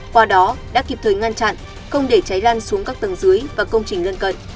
qua đó đã kịp thời ngăn chặn không để cháy lan xuống các tầng dưới và công trình lân cận